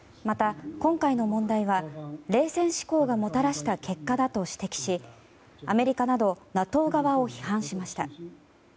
また、今回の問題は冷戦思考がもたらした結果だと指摘しアメリカなどＮＡＴＯ側を批判しました。